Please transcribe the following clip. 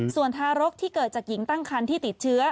ส่วนทารกที่เกิดจากหญิงตั้งคันที่ติดเชื้อ